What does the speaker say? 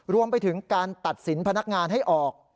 รวมไปถึงการตัดสินพนักงานให้ออก